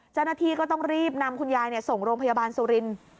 เจ้าหน้าที่ก็ต้องรีบนำคุณยายส่งโรงพยาบาลสุรินทร์